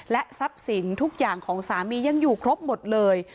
ทรัพย์สินทุกอย่างของสามียังอยู่ครบหมดเลย